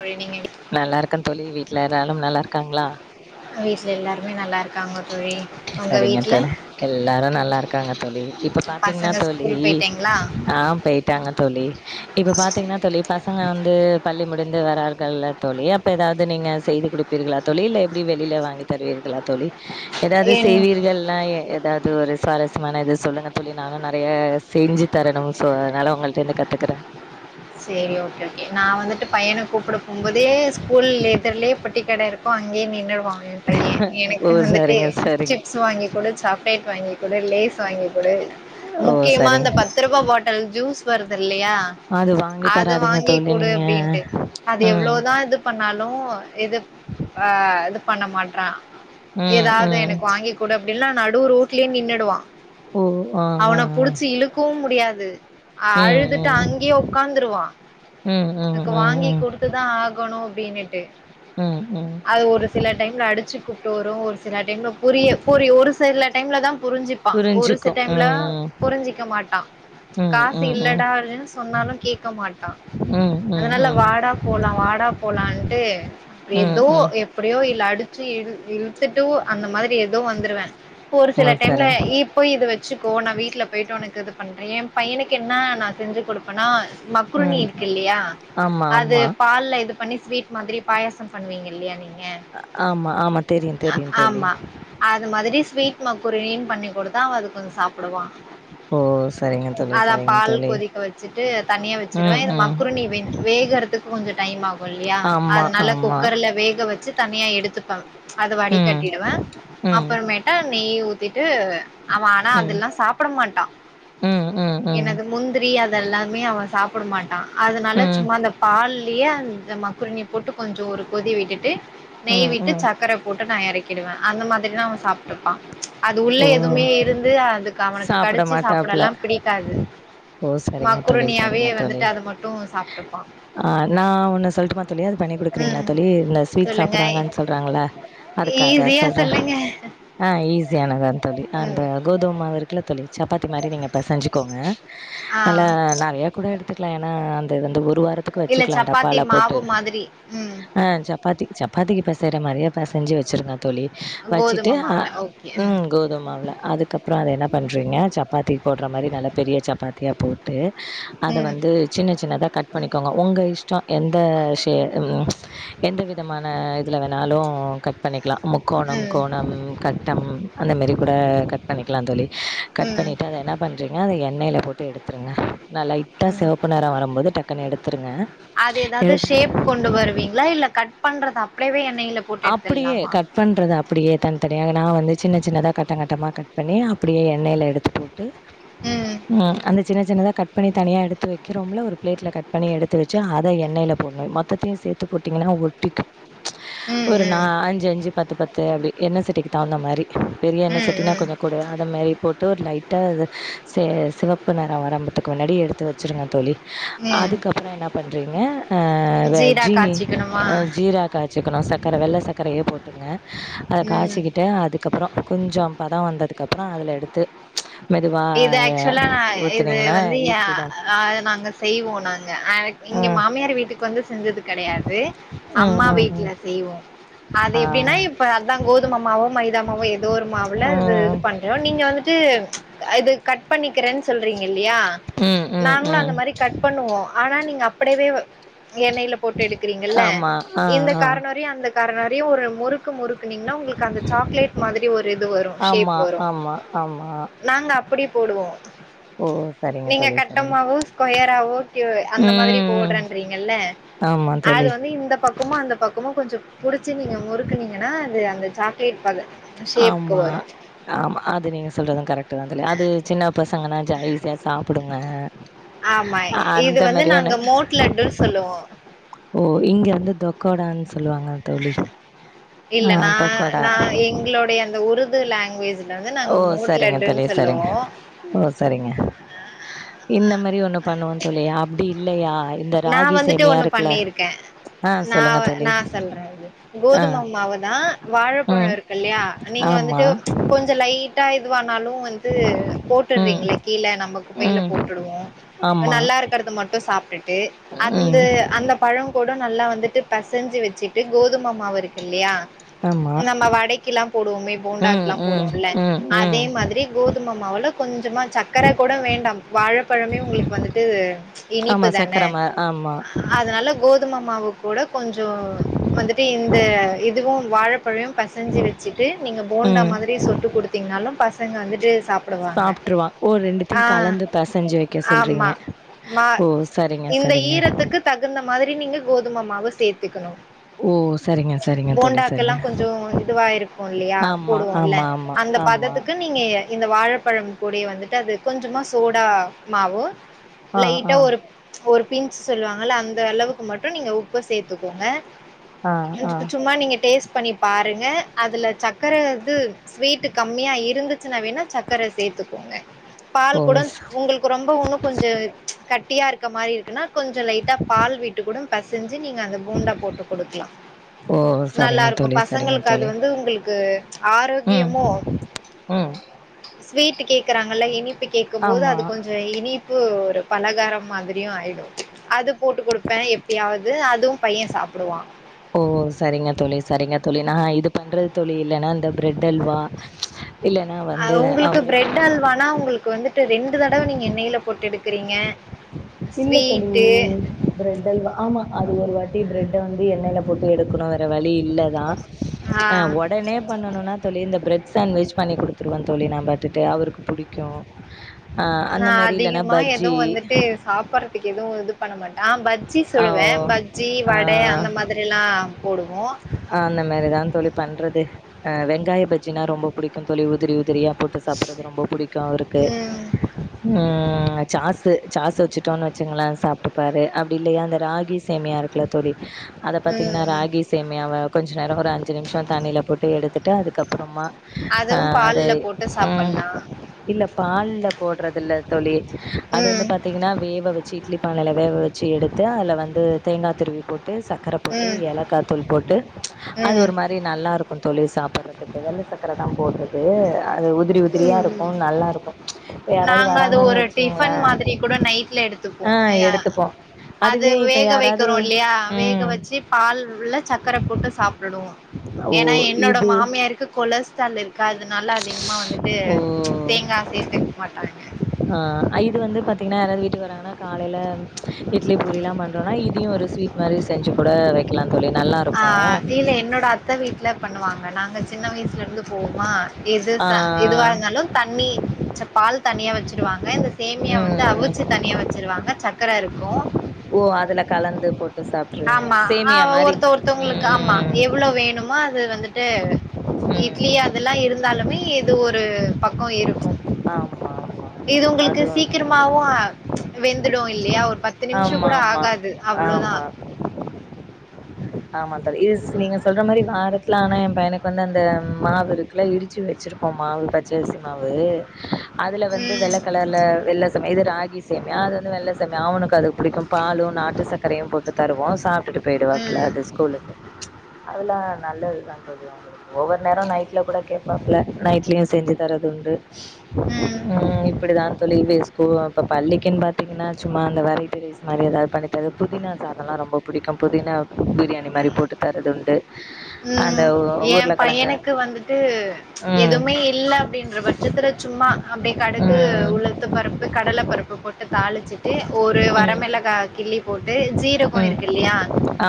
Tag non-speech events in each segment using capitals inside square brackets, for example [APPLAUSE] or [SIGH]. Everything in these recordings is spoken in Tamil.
தோழி நீங்க நல்லா இருக்க தோழி வீட்டுல எல்லாரும் நல்லா இருக்காங்ளா வீட்டுல எல்லாருமே நல்லா இருக்காங்க தோழி உங்க சரிங்க வீட்ல தோழி எல்லாரு நல்லா இருக்காங்க தோழி இப்ப பாத்தீங்ன்னா பசங்க தோழி ஸ்கூல் போயிட்டாங்களா ஆஹ் போயிட்டாங்க தோழி இப்ப பாத்தீங்ன்னா தோழி பசங்க வந்து பள்ளி முடிந்து வரார்கள் தோழி அப்ப ஏதாவது நீங்க செய்து குடுப்பீர்களா தோழி இல்லே எப்புடி வெளியில வாங்கி தருவீர்களா தோழி ஏதாவது என் செய்வீர்கல்லா ஏதாது இது ஒரு சுவாரஸ்யமான இது சொல்லுங்க தோழி நானு நெறைய செஞ்சு தரணும் சோ அதனால உங்கள்ட்டருந்து கத்துக்குறே சேரி ஓகே ஓகே நா வந்துட்டு பையன கூப்புட போம்போதே ஸ்கூல் எதுர்லயே பொட்டி கட இருக்கும் அங்கே நின்னுருவா என் பைய எனக்கு ஓ வந்துட்டு சரிங்க சரிங்க சிப்ஸ் வாங்கி குடு சாக்லேட் வாங்கி குடு லேஸ் வாங்கி குடு ஓ முக்கியமா அந்த சரிங்க பத்து ரூபா பாட்டல் ஜூஸ் வருது இல்லயா அது வாங்கி அது தராதீங்க தோழி வாங்கிகுடு நீங்க அப்டின்ட்டு அது ம் எவ்ளோதா இது பண்ணாலு கும் இது ஆ இது பண்ணமாட்றா ம் ஏதாவது ம் எனக்கு வாங்கிகுடு அப்டில்லனா நடு ரோட்லே நின்னுடுவா ஓ ஆ ஆ அவன ஆ புடிச்சு இழுக்கவு முடியா து ம் அழுதுட்டு அங்கே உக்காந்துருவான் ம் ம் ம் எனக்கு ம் வாங்கி ம் குடுத்துதா ஆகணு அப்டினுட்டு ம் ம் அது ஒரு சில டைம்ல அடிச்சு குட்டு வரும் ஒரு சில டைம்ல புரிய புரி ஒரு சில டைம்லதா புரிஞ்சிப்பான் ஒரு சி புரிஞ்சுக்கு டைம்ல ம் புரிஞ்சிக்க மாட்டான் ம் காசு ம் ம் இல்லடா அப்டினு சொன்னாலு கேக்க மாட்டான் ம் ம் ம் அதனால வாடா போலா வாடா போலான்ட்டு ம் ஏதோ ம் எப்டியோ இல்ல அடிச்சு இ இழுத்துட்டூ அந்த மாதிரி எதோ வந்துருவே ஒரு ஓ சில டைம்ல சரிங்க இப்போ இது வச் சிக்கோ நா வீட்ல பெய்ட்டோனக்கு இது பண்றே ஏ பையனுக்கு என்னா நா செஞ்சி குடுப்பன்னா மக்ரூனி ம் இருக்கில்லியா ஆமா அது ஆமா பால்ல இது பண்ணி ஸ்வீட் மாதிரி பாயசம் பண்வீங்க இல்லியா நீங் அ ஆமா ஆமா தெரியு தெரியு தோழி ஆமா அது மாதிரி ஸ்வீட் மக்ரூனின்னு பண்ணி குடுத்தா அவ அது கொஞ்சோ சாப்புடுவா ஓ செரிங்க தோழி அதா செரிங்க பால் தோழி கொதிக்க வச்சுட்டு தனியா வெச்சிருவே ம் இது ம் மக்குரூனி வே வேகறத்துக்கு கொஞ்சோ டைம் ஆ ஒல்லியா ஆமா அதனால ஆமா குக்கர்ல வேக வச்சி தனியா எடுத்துப்பாங் அத வடி ம் கட்டிடுவே ம் அப்பறமேட்ட நெய் ஊத்தீட்டு அவன் ஆனா ம் அதுல்லா சாப்புட மாட்டா ம் ம் ம் ம் என்னது முந்திரி அ தெல்லாமே அவங் சாப்புட மாட்டா அதுனால ம் சும்மா இந்த பால் திலே அந்த மக்ரோனிய போட்டு கொஞ்சோ ஒரு கொதி விட்டுட்டு நெய் ம் விட்டு ம் சக்கர போட்டு நா எறக் கிடுவேன் அந்த மாதிரி தா அவன் சாப்ட்டுப்பான் அது உள்ள ஓ எதுமே இருந்து அதுக்கு அவனுக்கு சாப்ட கடிச்சு மாட்டாப்ல சாப்டல்லா பிடிக்காது ஓ சரிங்க தோழி மக்குருனியா சரிங்க தோழி ஆ நா ஒன்னு சொல்ட்டுமா தோழி அது பண்ணி குடுக்குறீங்களா ம் தோழி இந்த ஸ்வீட் சொல்லுங்க சாப்புட்றாங்கன்னு சொல்றாங்கல அதுக்காக ஈஸியா சொல்ற சொல்லுங்க ஆ ஈசி சியானது தா தோழி அந்த ம் கோதும மாவு இருக்குல தோழி சப்பாத் தி மாரி நீங்க பெசஞ்சிக்கோங்க ஆ நல்ல நெறைய கூட எடுத்துக்கலாம் ஏன்னா ஆ அந்த அந்த ஒரு ஒரு வாரத்துக்கு இல்ல வச்சுக்கலாம் சப்பாத்தி டப்பால போட்டு மாவு மாதிரி ம் ஆ சப்பாத்தி சப் பாத்திக்கு பெசையுற மாரியே பெசஞ்சு வச்சுருங்க தோழி வச்சிட்டு கோதும ஆ மாவுல ஓகே ம் கோதும மாவுல அதுக்கப்றோ அத என்னா பண்றீங்க சப்பாத்தி போடுற மாரி நல்ல பெரிய சப்பாத்தியா போட்டு அத ம் வந்து சின்ன சின்னதா கட் பண்ணிக்கோங்க ஒங்க இஷ்டோ எந்த ஷே ம் எந் எந்த விதமான இதுல வேணாலும் கட் பண்ணிக்கலாம் முக்கோணம் ம் ம் கோணம் கட் அந்த மாரி கூட கட் பண்ணிக்கலாம் தோழி கட் ம் பண்ணிட்டு அத என்னா பண்றிங்க அத எண்ணெய்ல போட் டு எடுத்துருங்க ந லைட்டா ம் செவப்பு நெறோ வரும்போது டக்குனு எடுத்துருங்க அது ஏதாவது எத் பண்றத அப்டியேவே எண் அப்டியே கட் பண்றது அப்டியே தனித்தனியாக நா வந்து சின்ன சின்னதாக கட்டம்ங்கட்டமாக கட் பண்ணி அப்படியே எண்ணெயில எடுத்து போட் டு ம். அந்த சின்ன சின்னதா கட் பண்ணி தனியா எடுத்து வைக்ரோம்ல ஒரு பிளேட்ல கட் பண்ணி எடுத்து வச்சு அதை எண்ணெயல போடணும் மொத்தையும் சேர்த்து போட்டீங்கன்னா ஒட்டிக்கும் ம், ஒரு நா ம். அஞ்சு அஞ்சு பத்து பத்து அப்டி எண்ணெ சட்டிக்கு தகுந்த மாரி பெரிய எண்ணெ ம், சட்டினா ம். கொஞ்ச கூட அது மாரி போட்டு ஒரு லைட் ல அது சிவப்பு நிறம் வரம்பத்துக்கு முன்னாடி எடுத்து வச்சுருங்க தோழி ம். அதுக்கப்புறம் என்ன பண்றீங்க ஆஹ் ஜீரா ஜீனி காய்ச்சிக்கணுமா? ஜீர காய்ச்சிக்கணும் ச வெள்ளை சக்கரைய போட்டுங்க அத ம். காய்ச்சிக்கிட்டே அதுக்கப்புறம் கொஞ்சம் பதம் வந்ததுக்க அப்புறம் அதுல எடுத்து மெதுவா இது ஆக்சுவலா இது ஊத்துனீங்கன்னா வந்து ஈஸி தா அஹ நாங்க செய்வோம் நாங்க இங்க ம் மாமியார் வீட்டுக்கு வந்து செஞ்சது கிடையாது ம் அம்மா ம் வீட்டுல ம் செய்வோம் அது ஆ எப்டின்னா இப்ப அதான் கோதுமமாவோ மைதமாவோ ஏதோ ஒரு மாவுல அது இது ம் பண்றோம் நீங்க வந்துட்டு இது கட் பண்ணிக்கிறேன் சொல்றீங்க இல்லியா ம் ம் நாங்களும் ம் அந்த மாரி கட் பண்ணுவோ ஆனா நீங்க கடவே வ எண்ணெயில போட்டு எடுக்கறீங்கல்ல ஆமா ஆ இந்த ஆ கார்ணரையும் அந்த நறைய ஒரு முறு முறுக்குனீங்கன்னா உங்களுக்கு அந்த சாக்லேட் மாதிரி ஒரு இது வரும் ஷேப் ஆமா வரும் ஆமா ஆமா அப்படி போடுவோ ஓ சரிங்க நீங்க தோழி சரிங்க கட்டமாவோ ஸ்கொயராவோ ஓகே அந்த மாதிரி ம் போடுறேன்றீங்கல்ல ஆமா அது தோழி வந்து இந்த பக்கமோ அந்த பக்கமு கொஞ்ச புடிச்சு நீங்க முறுக்குனீங்கன்னா அது அந்த சாக்லேட் பத ஷேப்க்கு ஆமா வரு ஆமா அது நீங்க சொல்றதா கரெக் ட்டு அது சின்ன பசங்கனா ஜா ஈஸியா சாப்புடுங்க ஆமா இது அந்த வந்து மாரி ஒண்ணு நாங்க மோட் லட்டுன்னு சொல்லுவோ ஓ இங்க வந்து தொக்கோட அந் இல்ல ஆ நா தொக்கோடா நா எங்களுடைய அந்த உருது லாங்குவேஜ் ஓ சரிங்க தோழி சரிங்க ஓ சரிங்க இந்த மாரி ஒண்ணு பண்ணுவோ தோழி அப்படி இலையா நா வந்துட்டு ஒண்ணு பண்ணிருக்கேன் ஆ நா சொல்லுங்க தோழி நா சொல்றேன் ஆ கோதும மாவுதா வாழப்பழம் ம் இருக்கு இல்லையா நீங்க ஆமா வந்துட்டு கொஞ்சோ லைட் டா இது வன் னாலு வந்து ம் போட்டுடுறீங்களே கீழே நம்ம குப்பையில ம் போட்டுடுவோம் ஆமா நல்லா இருக்கறது மட்டும் சாப்ட்டு கு அந்த ம் அந்த பழம் கூட நல்லா வந்து டு பசைஞ்சு வச்சுட்டு கோதும மாவு இருக்குல்லையா ஆமா நம்ம வடைக்குலா போடுவோமே ம் போண்டாக்குலா ம் போடுவோம்ல ம் ம் அதே மாதிரி கோதும மாவுல கொஞ்சமா சக்கரை கூட வேண்டா வாழப்பழமே உங்களுக்கு வந்துட்டு இனி ஆமா ப்பு தான சக்கர மா ஆமா அதனால கோது கோதும மாவு கூட கொஞ்சோ வந்துட்டு இந்த இதுவு வாழப் பழம் பசஞ்சு வச்சிட்டு நீங்க போண்டா ம் மாதிரி சுட்டு குடுத்தீங்கன்னாலு பச சங்க வந்துட்டு சாப் சாப்ட்டுருவான் ஓ ரெண்டுத்தையு கலந்து பசைஞ்சு வைக்க சொல்றீங்க ஆமா மா ஓ சரிங்க இந்த சரிங்க ஈரத்துக்கு தகுந்த மாதிரி நீங்க கோதும மாவ சேத்துக்கணு ஓ சரிங்க சரிங்க தோழி போண்டாக்கெல்லா சரிங்க கொஞ்சோ இதுவா இருக்கு இல்லியா ஆமா போடுவோல்ல ஆமா ஆமா அந்த ஆமா பதத்துக்கு நீங்க இந்த வாழைப்பழம் பொடிய வந்துட்டு அது கொஞ்சமா சோடா மாவு ஆ லைட்டா ஆ ஒருப் ஒரு பின்சு சொல்லுவாங்கல்ல அந்த அளவுக்கு மட்டு நீங்க உப்ப சேத்துக்கோங்க ஆ ஆ கொஞ்சக சும்மா நீங்க டேஸ் பண்ணி பாருங்க அதுல சர்க்கர இது ஸ்வீட கம்மியா இருந்து ச்சினா சர்கர சேத்துக்கோங்க ஓ பால் கூட உங்களுக்கு ரொம்ப இண்ணு கொஞ்ச கட்டியா இருக் க்கமாறி இருக்குன்னா கொஞ்ச லைட்டா பால் வீட்டு கூட பசின் ஞ்சு நீங்க அந்த பூண்டா போட்டு குடுக்கலா ஓ சரிங்க நல்லாருக்கு தோழி சரிங்க பசங்களுக்கு அது தோழி வந்து உங்களுக்கு ம் ஆரோக்கியமோ ம் ஸ்வீட் கேக்குறாங்கல்ல இனி கேக்கும் போது ஆமா அது கொஞ்ச இனி ப்பு ஒரு பலகாரம் மாதி ரி ஆயிடும் ம்ச் அது போட்டு கொடுப்பே எப்பயாவது அதுவு பைய சாப்டுவா ஓ செரிங்க தோழி செரிங்க தோழி நா இது பண்ற தோழி இல்லன்னா இந்த பிரெட் அல்வா இல்லன்னா ஆ வந்து உங்களுக்கு அவரு பிரெட் அல்வானா உங்களுக்கு வந்து ட்டு ரெண்டு தடவ நீங்க எண்ணெயில போட்டு எடுக்கிறீங்க இல்ல தோழி பிரெட் அல்வா ஆமா அது ஒரு வாட் பிபிரெட்ட வந்து எண்ணெய்ல போட்டு எடுக்கணு வேற வழி இல்லதா ஆ ஒடனே பண்ணணும்னா தோழி இந்த பிர சாண்ட்விச் பண்ணி கொடுத்துருவ தோழி நா பாட்டுட்டு அவருக்கு புடிக்கு ஆ நா அந்த மாரி இல்லன்னா அதிகமா எதுவு பஜ்ஜி வந்துட்டு சாப்பிடடுற எதுவு இது பண்ண மாட்டே ஆஹ் பஜ்ஜி ஆ சுடுவே ஓ பஜ்ஜி ஆ வட அந்த மாதிரிலா போடுவோ ஆஹ் அந்த மாதிரி தா தோழி பண்றது அஹ் வெங்காய பஜ்ஜின்னா ரொம்ப புடிக்கு தோழி உதிரி உதிரியா போட்டு சாப்படுறது ரொம்ப பிடிக்கு அவருக்கு ம் உம் ஆஹ் சாசு சாசு வச்சுட்டோம் வச்சுங்களா சாப்பிட்டுப்பாரு அப்படி இல்லையா அந்த ராகி சேமியா இருக்குல்ல தோழி அத ம் பத்தீங்கன்னா ம் ராகி சேம் அத‌கொஞ்ச நேரம் ஒரு அஞ்சு நிமிஷ தண்ணில போட்டு எடுத் த்துட்டு அதுக்கப்புறமா அதுவு அஹ் அதது பால்ல போட்டு உஹம் சாப்பல்லா இல்ல பால்ல போடுறது இல்ல தோழி அது வந்து ம் பாத்தீங்கன்னா வேக வச்சு இட்லி பானையில வேக வச்சு ச்சு எடுத்து அதுல வந்து தேங்காய் திருவி போட்டு டு சக்கர போட்டு ம் ஏலக்கா போட் போட்டு அது ம் ஒரு மாரி நல்லா இருக்கு தோ ழி சாப்பிடடுறதுக்கு வெள்ள சக்கர தா போடுறது அது உதிரி உதிரியா ம் இருக்கும் நல்லா இருக்கும் இப்ப யாராவது நாங்க அது வராங்கன்னு ஒரு டிஃபன் வச்சுங்களன் மாதிரி கூட நைட்ல எடுத்துப்போ ஆஹ் அ எடுத்துப்போம் அது அதுவே இப்ப வேக யாராவது உம் உள்ள சர்க்கரை போட்டு சாப்பிடுவோ ஓ! ஏன்னா என்னோட இது மாமியாருக்கு கொலஸ் [UNINTELLIGIBLE] அதனால அதிகமா வந்துட்டு ஓ! தேங்காய் சே்த்தக்க மாட்டாங்க வறாங்கன்னா காலையில இட்லி பூரி எல்லாம் பண்றோம்னா அத ஒரு ஸ்வீட் மாதிரி செஞ்சு கூட வைக் கிலம் ஆஹ் இல்ல என்னோட அத்தை வீட்டுல பண்ணுவாங்க நாங்க சின்ன வயசுலேருந்து போவோமா இது ஆ ச எதுவா இருந்தாலும் தண்ணி பால் தனியா வச்சுடுவாங்க இந்த சேமியா வந்து ம் ம் அவிச்சி தனியா வச்சிருவாங்க சக்கர இருக்கு [INAUDIBLE] ஓ அதுல கலந்து போட்டு சாப்ட்ருவீங்க ஆமா ஆ சேமியா மாரி ஒருத்த ஒருத்தவங்களுக்கு ஆமா ம் எவ்ளவு வேணுமோ அது வந்துட்டு அஹ் ம் இட்லி ம் அதெல்லாம் இருந்தாலு இது ஒரு பக்கம் இருக்கு ஆமா ஆமா இது உங்குளுக்கு அதுவு சீக்கிரமாவு அ வெந்துடு இல்லையா ஒ பத்து நிம்ஷோ ஆமா கூட ஆமா ஆகாது அவ்ளோதா ஆமா ஆமாதழி இஸ் நீங்க சொல்ற மாரி வாரத்துல ஆனா எம் பையனுக்கு வந்து அந்த மாவு இருக்குல இடிச்சு வெச்சிருப்போம் மாவு பச்சரிசி மாவு அதுல வந்து வெள்ள ம் கலர்ல வெள்ள ச இது ராகி சேமியா அது வந்து வெள்ள சேமியா அவுனுக்கு அது பிடிக்கும் பாலு நாட்டு சக்கரையு போட்டு தருவோ சா விட்டு போயிடுவாப்ல ம் அது ஸ்கூலுக்கு அதுல்லா நல்லதுதா தோழி அவுங்களு ஒவ்வொருநேரோ நைட்ல கூட கே ப்பாப்ல நைட்லையு செஞ்சு தர துண்டு ம் உம் இப்பிடிதா தோழி விஸ் க்கு இப்ப பள்ளிக்குன் பாத்தீங்கனா சும்மா அந்த வெரை ட்டி ரைஸ் மாரி எதாது பண்ணி தரது புதினா சாதோல்லா ரொம்ப புடிக்கும் புதினா பிரியாணி மாரி போட்டு தரதுண்டு உம் ஏ பையனுக்கு வந்துட்டு ம் எதுமே இல்ல அப்டின்ற பட்சத்துல சும்மா அப்டே கடுகு ம் உளுத்த பருப்பு கடல பருப்பு போட்டு தாளிச்சிட்டு ஒ ஒரு ம் வரமிளகா கிள்ளி போட்டு ஜீரகோ ம் இருக்கில்லையா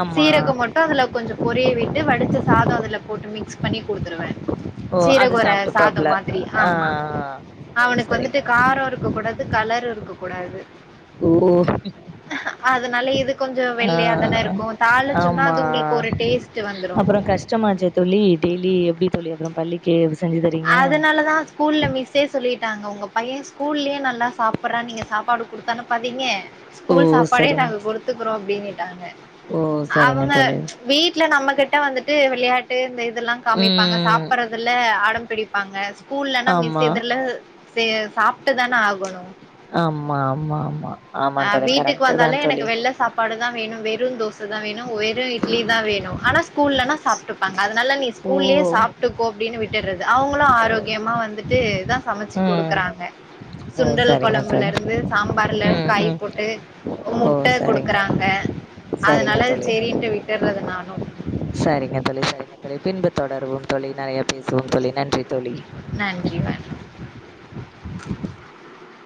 ஆமா சீரகம் மட்டு அதுல கொஞ்சோ பொரிய விட் வடிச்ச சாதோ அதுல போட்டு மிக்ஸ் பண்ணி குடுத்துருவே ஓ அது சீரகு ஒற சாதம் சாப்ட்டுப்பாப்ல மாதிரி ஆ ஆம்மா ஓ அவுனுக்கு வந்துட்டு சரிங்க காரோ இருக்க கூடாது கலரு இருக்க கூடாது ஓ அதனால இது கொஞ்சோ ஆ வெள்ளையாதான இருக்கு தாளிச்சம்ன்னா அது உங்குளுக்கு ஒரு டேஸ் அப்பறங் கஷ்டமாச்சே தோழி டெய்லி எப்டி தோழி ப்பறம் பள்ளிக்கு விஸ் அதனால தா ஸ்கூல்ல மிஸ்ஸே சொல்லிட்டாங்க உங்க பைய ஸ்கூல்லியே நல்லா சாப்பர்றா நீங்க சாப்பாடு குடுத்தனுப்பாதீங்க ஓ ஸ்கூல் சாப்பாடே சரிங்க நாங்க குடுத்துக்குறோ அப்டினிட்டாங்க ஓ சரிங்க அவங்க தோழி வீட்ல நம்ம கிட்ட வந்துட்டு விளையாட்டு இந்த இதெல்லா காமிப்பாங்க ம் சாப்பறதுல அட பிடிப்பாங்க ஸ்கூல்லனா மிஸ் ஆமா எதிர்ல சே சாப்ட்டுதான ஆகணு ஆம்மா ஆம்மா ஆமா ஆமா ஆஹ் தோழி வீட்டுக்கு கரெக்ட் தா வந்தாலு எனக்கு தோழி வெள்ல சாப் பாடு தா வேணு வெறுந் தோ சதா வேணு வெறு இட்லி தா வேணு ஆனா ஸ்கூல்லனா சாப் [UNINTELLIGIBLE] அதனால நீ ஓ ஸ்கூல்லியே சாப்ட்டுக்கோ அப்டின்னு விட் டுறது அவங்களும் ஆரோக்கியமா வந்துட்டு தா சமச்சு ம் குடுக்குறாங்க ஓ சுண்டல் சரிங்க கொழம்புல தோழி இருந்து சாம்பார்ல ம் கை ம் போட்டு ஓ முட்ட சரிங்க குடுக்குறாங்க சரிங்க அதனால தோழி செரின்ட்டு விட்டுறது நானும் சரிங்க தோழி சரிங்க தோழி பின்பு தொடருவோம் தோழி நறைய பேசுவோம் தோழி நன்றி தோழி நன்றி வணக்கம்